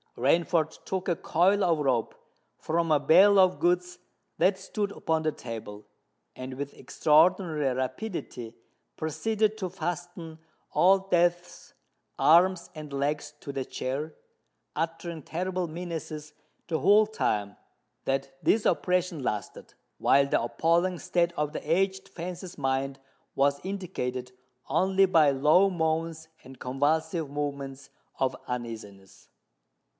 Rainford took a coil of rope from a bale of goods that stood upon the table, and with extraordinary rapidity proceeded to fasten Old Death's arms and legs to the chair, uttering terrible menaces the whole time that this operation lasted; while the appalling state of the aged fence's mind was indicated only by low moans and convulsive movements of uneasiness.